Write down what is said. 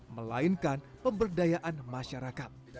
melainkan pemberdayaan masyarakat